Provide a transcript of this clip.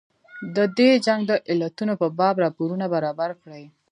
د دې جنګ د علتونو په باب راپورونه برابر کړي.